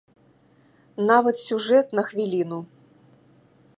Нават сюжэт на хвіліну.